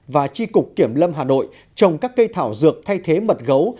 và tri cục kiểm lâm hà nội trồng các cây thảo dược thay thế mật gấu